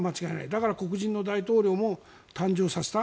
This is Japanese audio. だから、黒人の大統領も誕生させた。